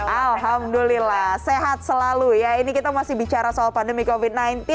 alhamdulillah sehat selalu ya ini kita masih bicara soal pandemi covid sembilan belas